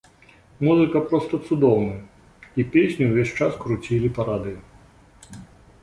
Музыка проста цудоўная, і песню ўвесь час круцілі па радыё.